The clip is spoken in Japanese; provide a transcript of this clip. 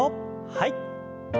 はい。